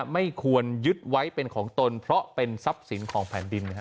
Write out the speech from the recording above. ไม่ควรยึดไว้เป็นของตนเพราะเป็นทรัพย์สินของแผ่นดิน